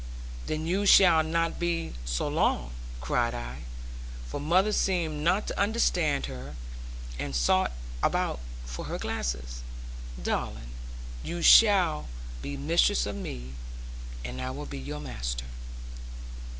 'Then you shall not be so long,' cried I; for mother seemed not to understand her, and sought about for her glasses: 'darling, you shall be mistress of me; and I will be your master.'